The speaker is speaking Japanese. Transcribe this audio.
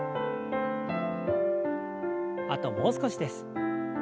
あともう少しです。